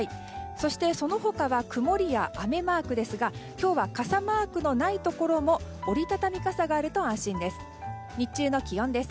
そして、その他は曇りや雨マークですが今日は傘マークのないところも折り畳み傘があると安心です。